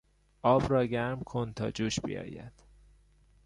آب را گرم کن تا جوش بیاید.